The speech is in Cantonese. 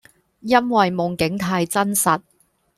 因為夢境太真實